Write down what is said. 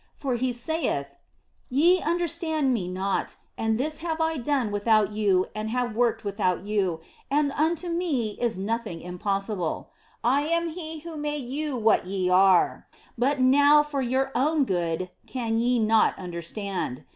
For He saith :" Ye understand Me not, and this have I done without you and have worked without you, and unto Me is nothing impossible. I am He who made you what ye are, but now for your own good can ye not understand.